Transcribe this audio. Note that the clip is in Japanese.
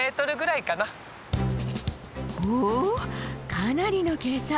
かなりの傾斜。